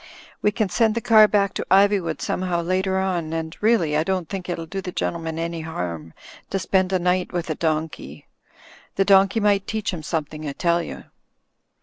We can send the car back to Iv3nvood somehow later on, and really, I don't think it'll do the gentleman any harm to spend a night with a donkey. The donkey might teach him something, I tell you."